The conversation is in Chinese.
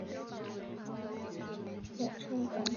老城站位于布拉格老城广场。